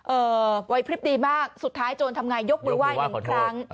เอ่อไว้คลิปดีมากสุดท้ายโจรทำงานยกมือไหว้๑ครั้ง